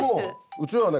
うちのはね